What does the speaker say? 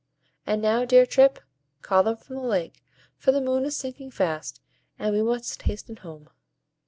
And now, dear Trip, call them from the lake, for the moon is sinking fast, and we must hasten home."